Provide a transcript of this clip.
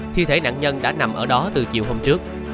thi thể nạn nhân đã nằm ở đó từ chiều hôm trước